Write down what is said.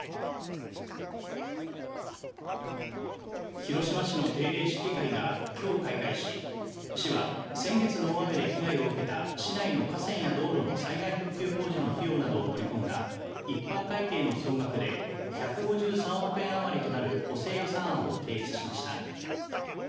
広島市の定例市議会がきょう開会し市は先月の大雨で被害を受けた市内の河川や道路の災害復旧工事の費用などを盛り込んだ一般会計の総額で１５３億円あまりとなる補正予算案を提出しました。